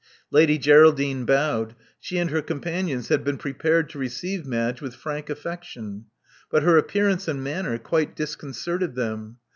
Lady Geraldine bowed. She and her companions had been prepared to receive Madge with frank affec tion; but her appearance and manner quite discon certed them.